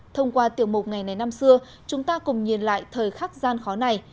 thông qua tiểu mục ngày này năm xưa chúng ta cùng nhìn lại thời khắc gian khó này